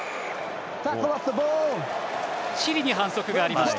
チリに反則がありました。